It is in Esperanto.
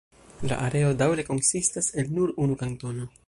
La areo daŭre konsistas el nur unu kantono.